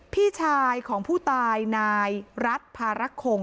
พี่ชายของผู้ตายนายรัฐภาระคง